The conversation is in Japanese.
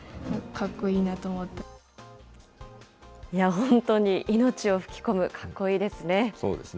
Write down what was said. いや、本当に命を吹き込む、かっこいいですね。